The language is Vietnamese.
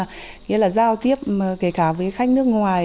nghĩa là giao tiếp kể cả với khách nước ngoài